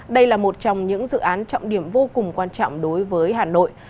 đây là một trong những dự án trọng điểm vô cùng quan trọng đối với hà nội